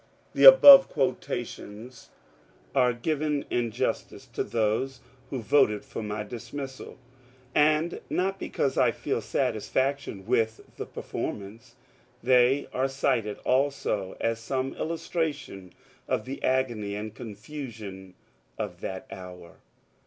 The above quotations are given in justice to those who voted for my dismissal, and not because I feel satisfaction with the performance ; they are cited also as some illustration of the agony and confusion of that hour.